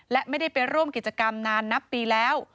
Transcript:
และไม่ได้ไปร่วมกิจกรรมนานนับปีแล้ว